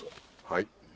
はい。